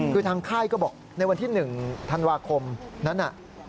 คือทางค่ายก็บอกในวันที่๑ธันวาคมนั้นน่ะ